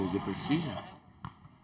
karena persija masih tumbuh